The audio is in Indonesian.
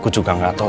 cuma pengen bilang